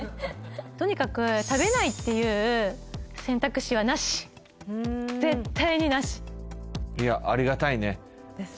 とにかく食べないっていう選択肢はなし絶対になしですね